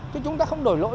chứ chúng ta không đổi lỗi